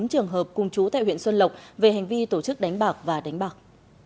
một mươi bốn trường hợp cung trú tại huyện xuân lộc về hành vi tổ chức đánh bạc và đánh bạc